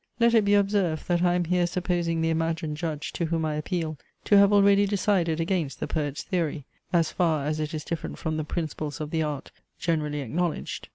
Let it be observed that I am here supposing the imagined judge, to whom I appeal, to have already decided against the poet's theory, as far as it is different from the principles of the art, generally acknowledged.